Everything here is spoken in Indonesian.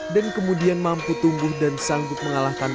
dan kemudian mampu tumbuh dan sanggup mengalahkan